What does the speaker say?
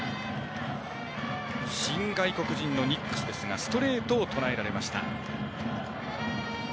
新外国人のニックスですがストレートを捉えられました。